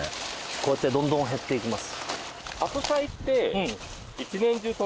こうやってどんどん減っていきます。